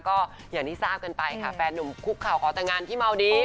ก็อย่างที่ทราบเกินไปแฟนหนุ่มครุกขาวขอต่างานที่เมาส์ดี